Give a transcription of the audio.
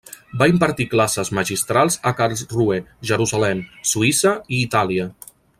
Va impartir classes magistrals a Karlsruhe, Jerusalem, Suïssa i Itàlia.